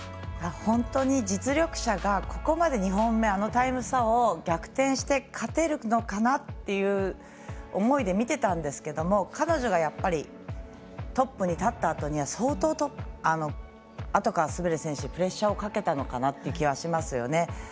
本当に実力者がここまで２本目あのタイム差を逆転して勝てるのかなっていう思いで見てたんですけど彼女が、やっぱりトップに立ったあとには相当、あとから滑る選手にプレッシャーかけたのかなという気がしますよね。